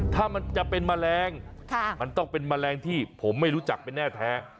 ถ้ามันจะเป็นแมลงมันต้องเป็นแมลงที่ผมไม่รู้จักเป็นแน่แท้